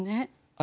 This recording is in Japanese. あ。